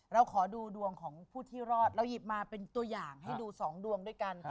เราขอดูดวงของผู้ที่รอดเราหยิบมาเป็นตัวอย่างให้ดู๒ดวงด้วยกัน